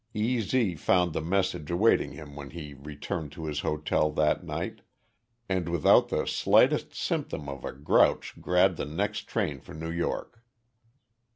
"E. Z." found the message awaiting him when he returned to his hotel that night, and without the slightest symptom of a grouch grabbed the next train for New York.